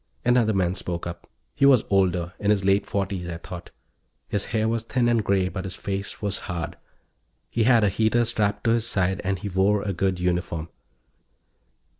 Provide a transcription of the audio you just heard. Another man spoke up. He was older, in his late forties, I thought. His hair was thin and gray but his face was hard. He had a heater strapped to his side, and he wore a good uniform.